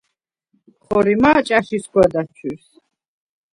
ხორიმა̄ ჭა̈შ ისგვა დაჩვირს?